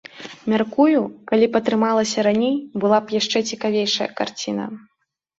Мяркую, калі б атрымалася раней, была б яшчэ цікавейшая карціна.